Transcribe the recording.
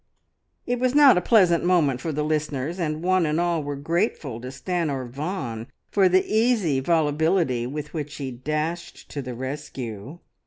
It was not a pleasant moment for the listeners, and one and all were grateful to Stanor Vaughan for the easy volubility, with which he dashed to the rescue.